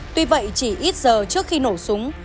tuy vậy chỉ ít giờ trước khi nổ súng